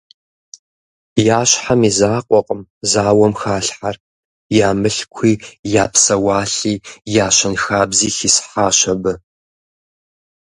Я щхьэм и закъуэкъым зауэм халъхьар, я мылъкуи, я псэуалъи, я щэнхабзи хисхьащ абы.